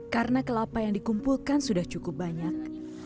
karena kelapa yang dikumpulkan sudah cukup banyak